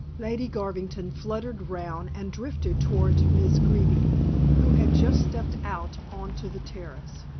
Lady Garvington fluttered round, and drifted towards Miss Greeby, who had just stepped out on to the terrace.